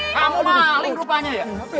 kamu maling rupanya ya